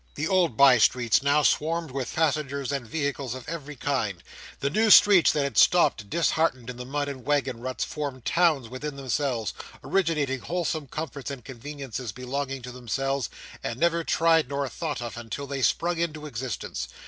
The old by streets now swarmed with passengers and vehicles of every kind: the new streets that had stopped disheartened in the mud and waggon ruts, formed towns within themselves, originating wholesome comforts and conveniences belonging to themselves, and never tried nor thought of until they sprung into existence.